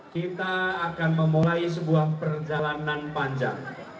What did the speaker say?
kita akan memulai sebuah perjalanan panjang